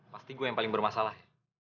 pasti gue yang paling bermasalah